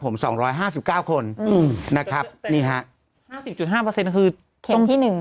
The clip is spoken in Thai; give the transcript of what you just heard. แต่๕๐๕เปอร์เซ็นต์คือเข็มที่๑